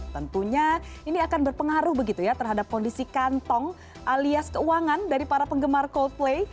tentunya ini akan berpengaruh begitu ya terhadap kondisi kantong alias keuangan dari para penggemar coldplay